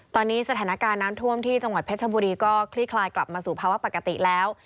ตอนนี้สถานการณ์น้ำท่วมที่จังหวัดเพชรบุรีก็คลี่คลายกลับมาสู่ภาวะปกติแล้ว